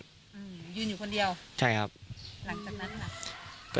ยืนอยู่คนเดียวหลังจากนั้นหรือเปล่าใช่ครับ